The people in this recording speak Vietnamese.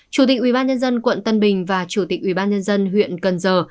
chủ tịch ubnd quận tân bình và chủ tịch ubnd huyện cần giờ